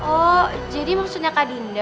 oh jadi maksudnya kak dinda